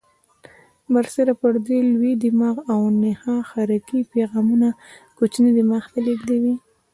برسیره پر دې لوی دماغ او نخاع حرکي پیغامونه کوچني دماغ ته لېږدوي.